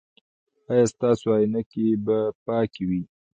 ایا ستاسو عینکې به پاکې وي؟